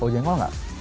bau jengkok nggak